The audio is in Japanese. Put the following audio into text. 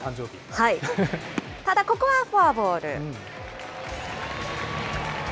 ただ、ここはフォアボール。